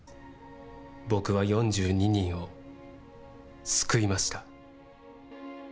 僕は４２人を救いました。